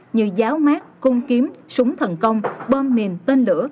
như giáo mát cung kiếm súng thần công bom mìn tên lửa